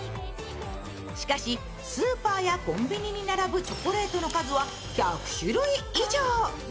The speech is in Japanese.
しかし、スーパーやコンビニに並ぶチョコレートの数は１００種類以上。